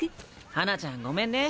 花ちゃんごめんね。